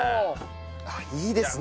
あっいいですね。